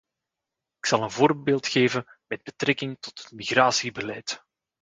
Ik zal een voorbeeld geven met betrekking tot het migratiebeleid.